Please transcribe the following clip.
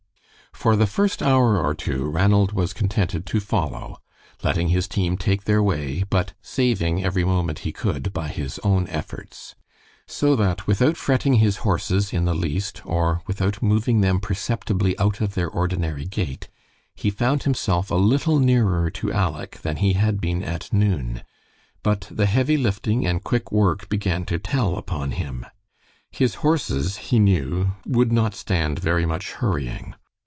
For the first hour or two Ranald was contented to follow, letting his team take their way, but saving every moment he could by his own efforts. So that, without fretting his horses in the least, or without moving them perceptibly out of their ordinary gait, he found himself a little nearer to Aleck than he had been at noon; but the heavy lifting and quick work began to tell upon him. His horses, he knew, would not stand very much hurrying.